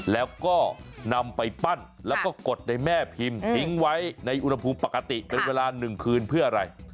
แล้วก็นำไปปั้นแล้วก็กดในแม่พิมพ์ทิ้งไว้ในอุณหภูมิปกติเป็นเวลา๑คืนเพื่ออะไร